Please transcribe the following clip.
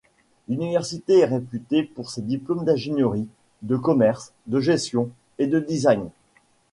L'université est réputée pour ses diplômes d'ingénierie, de commerce, de gestion, et de design.